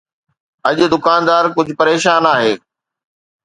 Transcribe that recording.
اڄ دڪاندار ڪجهه پريشان آهي